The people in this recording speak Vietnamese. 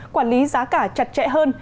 quản lý giá cả chặt chẽ hơn